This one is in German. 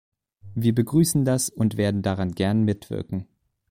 Wir begrüßen das und werden daran gern mitwirken.